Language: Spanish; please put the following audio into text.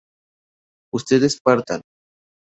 ¿ustedes partan?